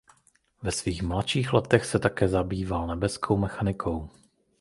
Ve svých mladších letech se také zabýval nebeskou mechanikou.